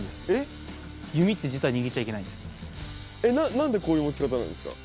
何でこういう持ち方なんですか？